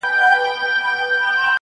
توري پښې توري مشوکي بد مخونه!.